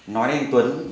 nói đến anh tuấn